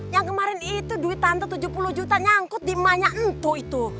yang kemarin itu duit tante tujuh puluh juta nyangkut di emahnya entu itu